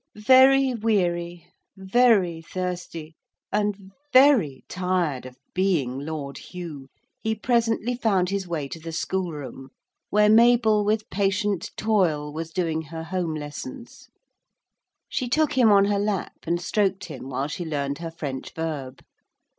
Very weary, very thirsty, and very tired of being Lord Hugh, he presently found his way to the schoolroom, where Mabel with patient toil was doing her home lessons. She took him on her lap and stroked him while she learned her French verb.